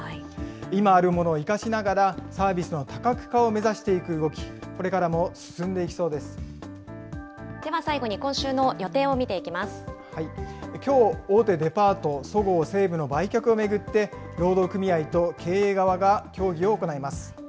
今あるものを生かしながら、サービスの多角化を目指していく動き、では最後に今週の予定を見てきょう、大手デパート、そごう・西武の売却を巡って、労働組合と経営側が協議を行います。